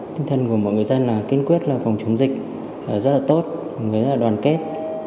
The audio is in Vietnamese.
tinh thần của mọi người dân là kiên quyết phòng chống dịch rất là tốt mọi người rất là đoàn kết